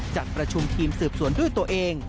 จัดประชุมทีมสืบสวนด้วยตัวเอง